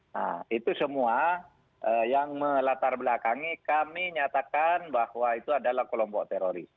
nah itu semua yang melatar belakangi kami nyatakan bahwa itu adalah kelompok teroris